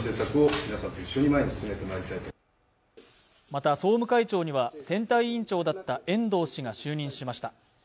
また総務会長には選対委員長だった遠藤氏が就任しました